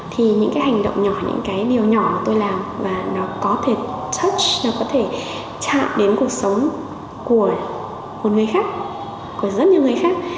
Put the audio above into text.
thì những cái hành động nhỏ những cái điều nhỏ mà tôi làm và nó có thể touch nó có thể chạm đến cuộc sống của một người khác của rất nhiều người khác